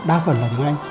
đa phần là tiếng anh